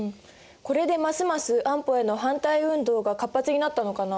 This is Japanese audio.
これでますます安保への反対運動が活発になったのかな？